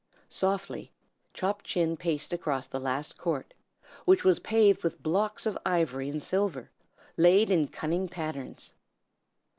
Softly Chop Chin paced across the last court, which was paved with blocks of ivory and silver, laid in cunning patterns.